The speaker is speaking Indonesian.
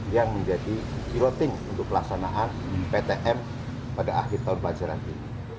yang menjadi piloting untuk pelaksanaan ptm pada akhir tahun pelajaran ini